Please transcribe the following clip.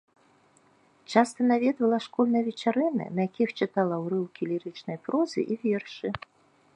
Часта наведвала школьныя вечарыны, на якіх чытала ўрыўкі лірычнай прозы і вершы.